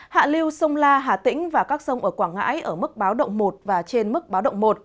hạ lưu sông la hà tĩnh và các sông ở quảng ngãi ở mức báo động một và trên mức báo động một